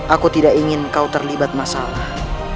aku tidak ingin kau terlibat masalah